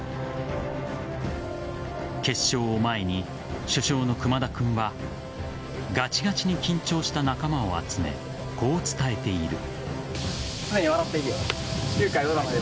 決勝を前に主将の熊田君はガチガチに緊張した仲間を集めこう伝えている。